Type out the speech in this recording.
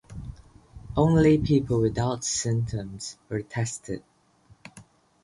Only people without symptoms were tested.